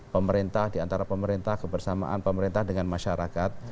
pemerintah di antara pemerintah kebersamaan pemerintah dengan masyarakat